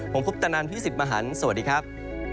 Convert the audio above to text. ผมคุปตะนันพี่สิทธิ์มหันฯสวัสดีครับ